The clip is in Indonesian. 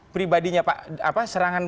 pribadinya pak apa serangan